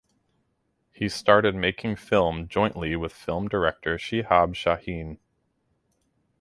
He started making film jointly with film director Shihab Shaheen.